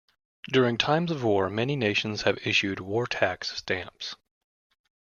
During times of war, many nations have issued war tax stamps.